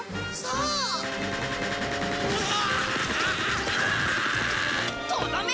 うわ！